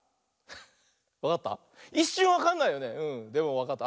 わかった？